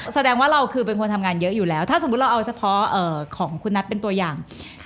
แสดงว่าเราคือเป็นคนทำงานเยอะอยู่แล้วถ้าสมมุติเราเอาเฉพาะของคุณนัทเป็นตัวอย่าง